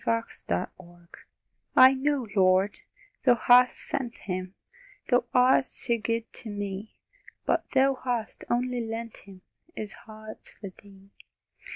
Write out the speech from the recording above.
MARY AT NAZARETH I know, Lord, Thou hast sent Him Thou art so good to me! But Thou hast only lent Him, His heart's for Thee!